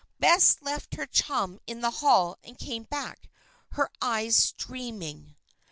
Bess left her chum in the hall and came back, her eyes streaming.